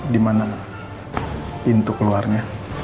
dimana dengan pijak untuk luarnya